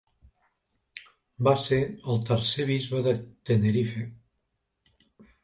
Va ser el tercer bisbe de Tenerife.